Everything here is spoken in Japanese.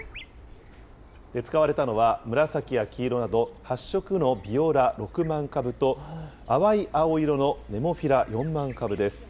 使われたのは、紫や黄色など、８色のビオラ６万株と、淡い青色のネモフィラ４万株です。